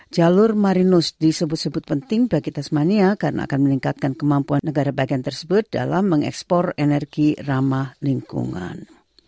jalur marinus disebut sebut penting bagi tesmania karena akan meningkatkan kemampuan negara bagian tersebut dalam mengekspor energi ramah lingkungan